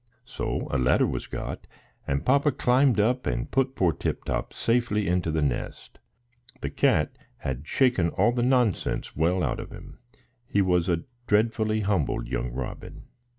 So a ladder was got, and papa climbed up and put poor Tip Top safely into the nest. The cat had shaken all the nonsense well out of him; he was a dreadfully humbled young robin.